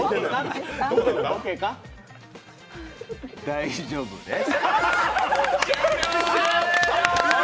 大丈夫です。